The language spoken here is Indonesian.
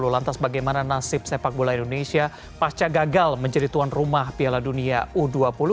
lantas bagaimana nasib sepak bola indonesia pasca gagal menjadi tuan rumah piala dunia u dua puluh